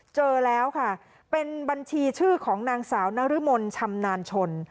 เจอแล้วค่ะเป็นบัญชีชื่อของนางสาวนรมนชำนาญชน